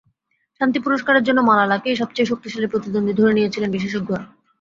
শান্তি পুরস্কারের জন্য মালালাকেই সবচে শক্তিশালী প্রতিদ্বন্দ্বী বলে ধরে নিয়েছিলেন বিশেষজ্ঞরা।